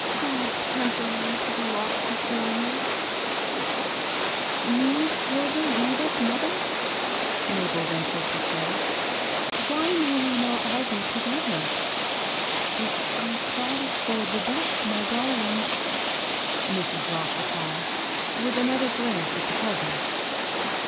" God temper you to the lot before you !"" Need Hilda leave us, mother ?" Mabel ven tured to say. " Why may we not all be to gether?" " If I thought it for the best, my darlings," Mrs. Ross replied, with another glance at the cousin.